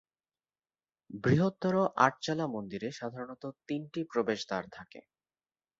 বৃহত্তর আটচালা মন্দিরে সাধারণত তিনটি প্রবেশদ্বার থাকে।